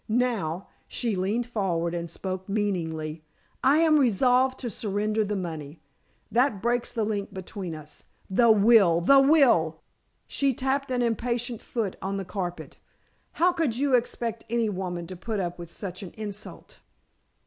Now," she leaned forward and spoke meaningly, "I am resolved to surrender the money. That breaks the link between us. The will! the will!" she tapped an impatient foot on the carpet. "How could you expect any woman to put up with such an insult?"